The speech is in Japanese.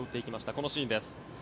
このシーンです。